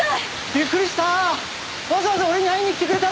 びっくりした！